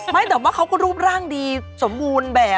ไม่แต่ว่าเขาก็รูปร่างดีสมบูรณ์แบบ